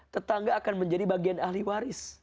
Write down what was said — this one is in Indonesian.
tetangga akan menjadi bagian ahli waris